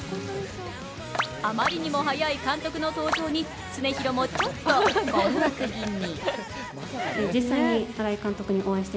あまりにも早い監督の登場に常廣もちょっと困惑気味。